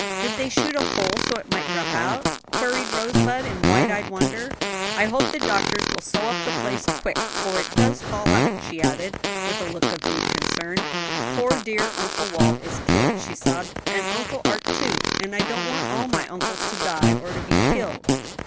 did they shoot a hole so it might drop out?" queried Rosebud in wide eyed wonder. "I hope the doctors will sew up the place quick 'fore it does fall out," she added, with a look of deep concern. "Poor, dear Uncle Wal is killed," she sobbed; "and Uncle Art too, and I don't want all my uncles to die or to be killed."